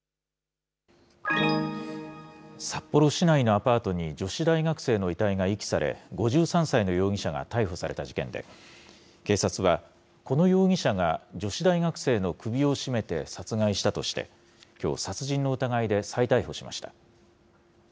札幌市内のアパートに女子大学生の遺体が遺棄され、５３歳の容疑者が逮捕された事件で、警察は、この容疑者が女子大学生の首を絞めて殺害したとして、きょう、殺人の疑いで再逮捕しました。